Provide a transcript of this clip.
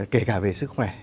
kể cả về sức khỏe